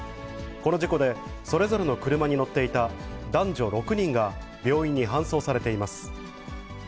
この事故で、それぞれの車に乗っていた男女６人が病院に搬送されています。